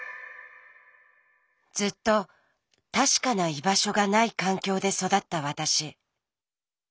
ずっと確かな居場所がない環境で育った私。